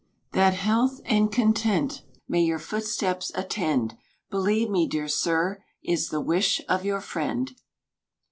That health and content may your footsteps attend, Believe me, dear sir, is the wish of your friend.